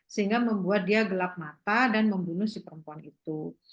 sehingga membuat dia gelap mata dan membunuh si perempuan itu